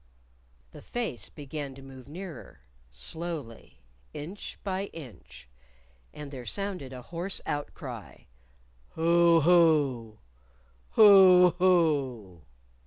The face began to move nearer, slowly, inch by inch. And there sounded a hoarse outcry: "_Hoo! hoo! Hoo! hoo!